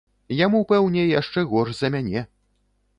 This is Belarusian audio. Яму, пэўне, яшчэ горш за мяне.